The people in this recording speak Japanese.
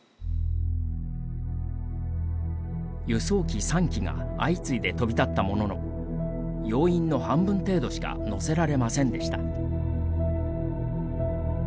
輸送機３機が相次いで飛び立ったものの要員の半分程度しか乗せられませんでした。